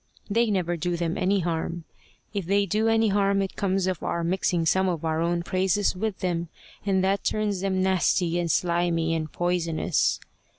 They never do them any harm. If they do any harm, it comes of our mixing some of our own praises with them, and that turns them nasty and slimy and poisonous.